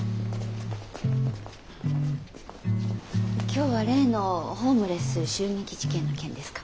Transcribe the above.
今日は例のホームレス襲撃事件の件ですか？